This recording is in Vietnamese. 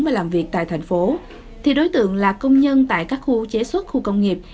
và làm việc tại thành phố thì đối tượng là công nhân tại các khu chế xuất khu công nghiệp